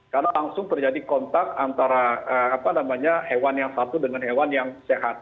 karena langsung terjadi kontak antara hewan yang satu dengan hewan yang sehat